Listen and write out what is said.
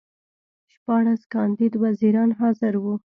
شپاړس کاندید وزیران حاضر وو.